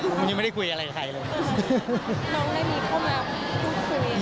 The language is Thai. ยังไม่ได้คุยอะไรกับใครเลย